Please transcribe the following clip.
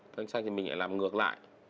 kênh xanh thì mình lại làm ngược lại